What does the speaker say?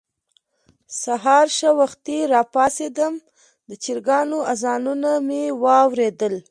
سهار ښه وختي راپاڅېدم، د چرګانو اذانونه مې واورېدل.